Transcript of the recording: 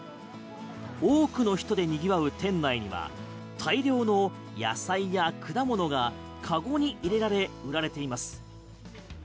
多くの人で賑わう店内には大量の野菜や果物がカゴに入れられ売られています。